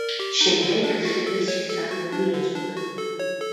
შემდეგ ხივის შესახვევი ეწოდა.